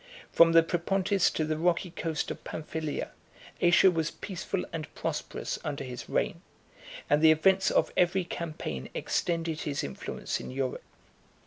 From the Propontis to the rocky coast of Pamphylia, Asia was peaceful and prosperous under his reign; and the events of every campaign extended his influence in Europe.